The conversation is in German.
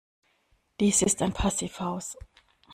Dies ist ein Passivhaus.